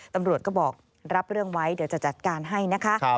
ตำรวจก็บอกรับเรื่องไว้เดี๋ยวจะจัดการให้นะคะ